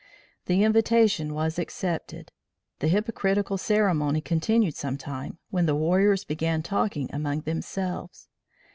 The invitation was accepted. The hypocritical ceremony continued some time, when the warriors began talking among themselves.